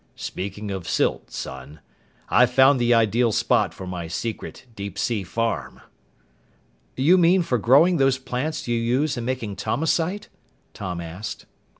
"Speaking of silt, son, I've found the ideal spot for my secret deep sea farm." "You mean for growing those plants you use in making Tomasite?" Tom asked.